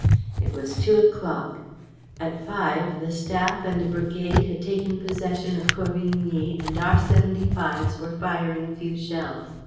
It was two o'clock. At five, the staff and a brigade had taken possession of Corvigny and our seventy fives were firing a few shells.